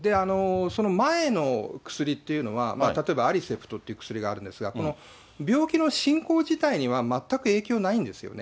その前の薬っていうのは、例えばアリセプト薬があるんですが、病気の進行自体には全く影響ないんですよね。